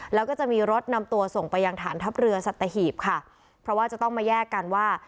แล้วก็จะมีรถนำตัวส่งไปยังฐานทัพเรือสัตหีบค่ะเพราะว่าจะต้องมาแยกกันว่า